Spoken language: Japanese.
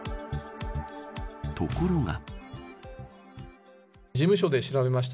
ところが。